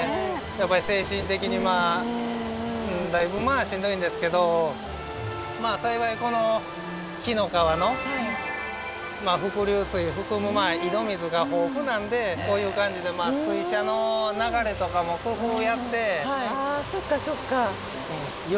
精神的にだいぶしんどいんですけど幸いこの紀の川の伏流水を含む井戸水が豊富なんでこういう感じで水車の流れとかも工夫やって。